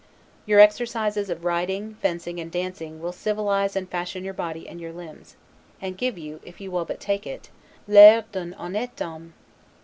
Your exercises of riding, fencing, and dancing, will civilize and fashion your body and your limbs, and give you, if you will but take it, 'l'air d'un honnete homme'.